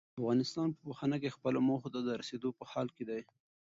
افغانستان په پوهنه کې خپلو موخو ته د رسېدو په حال کې دی.